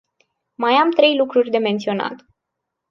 Mai am trei lucruri de menționat.